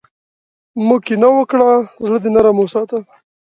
مه کینه وکړه، زړۀ دې نرم وساته.